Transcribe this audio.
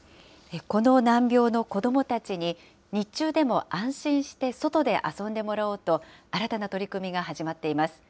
この難病の子どもたちに、日中でも安心して外で遊んでもらおうと、新たな取り組みが始まっています。